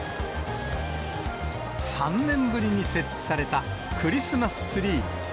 ３年ぶりに設置された、クリスマスツリー。